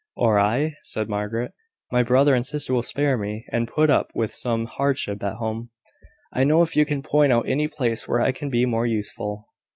"Or I?" said Margaret. "My brother and sister will spare me, and put up with some hardship at home, I know, if you can point out any place where I can be more useful."